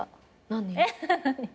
何？